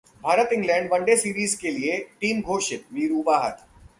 Bharat England one day series के लिए team घोषित, वीरू बाहर